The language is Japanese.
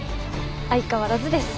相変わらずです。